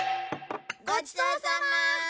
ごちそうさま！